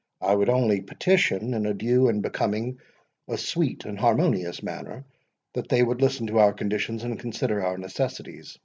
I would only petition, in a due and becoming, a sweet and harmonious manner, that they would listen to our conditions, and consider our necessities.